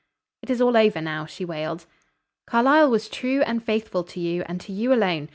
"It is all over now," she wailed. "Carlyle was true and faithful to you, and to you alone.